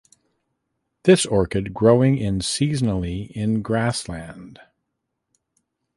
This orchid growing in seasonally in grassland.